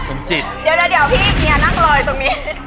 สมจิตเดี๋ยวเดี๋ยวเดี๋ยวพี่เมียนั่งลอยตรงนี้